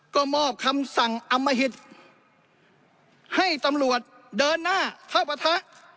ก็มอบคำสั่งอมหิตให้ตำรวจเดินหน้าเข้าปะทะ